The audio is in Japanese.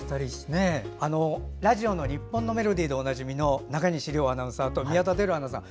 ラジオの「にっぽんのメロディー」でおなじみの中西龍アナウンサーと宮田輝アナウンサー。